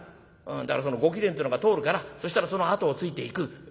「だからそのご貴殿というのが通るからそしたらその後をついていく」。